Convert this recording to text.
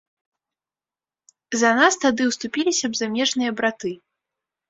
За нас тады ўступіліся б замежныя браты.